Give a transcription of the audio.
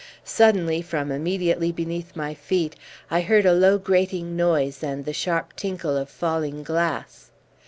Suddenly, from immediately beneath my feet, I heard a low grating noise and the sharp tinkle of falling glass.